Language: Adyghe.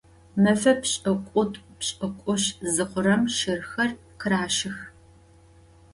Mefe pş'ık'ut'u - pş'ık'utş zıxhurem şırxer khıraşıx.